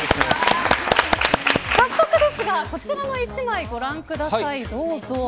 早速ですがこちらの一枚、ご覧ください。